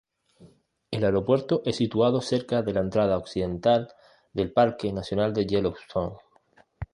El aeropuerto es situado cerca de la entrada occidental del parque nacional de Yellowstone.